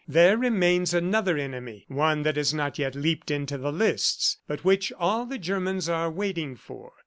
There remains another enemy, one that has not yet leaped into the lists but which all the Germans are waiting for.